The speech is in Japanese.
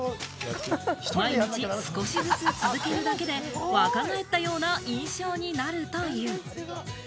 毎日、少しずつ続けるだけで若返ったような印象になるという。